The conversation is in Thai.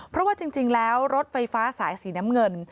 เพราะว่าจริงแล้วรถไฟฟ้าสายสีน้ำเงิน